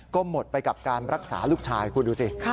ก็หมดไปกับการรักษาลูกชายคุณดูสิ